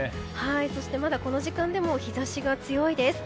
そして、この時間でもまだ日差しが強いです。